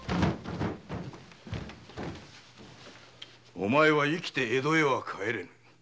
お前は生きて江戸へは帰れぬ。